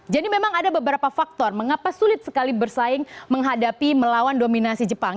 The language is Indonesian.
jadi memang ada beberapa faktor mengapa sulit sekali bersaing menghadapi melawan dominasi jepang